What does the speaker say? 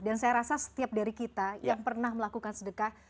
dan saya rasa setiap dari kita yang pernah melakukan sedekah